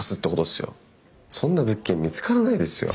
そんな物件見つからないですよ。